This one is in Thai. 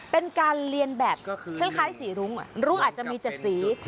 เป็นการเรียนแบบคล้ายสีรุ้งรุ้งอาจจะมี๗สี